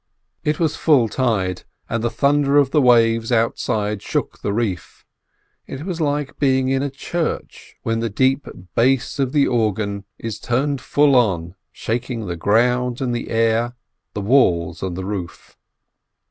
It was full tide, and the thunder of the waves outside shook the reef. It was like being in a church when the deep bass of the organ is turned full on, shaking the ground and the air, the walls and the roof.